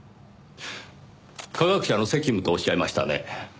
科学者の責務とおっしゃいましたね？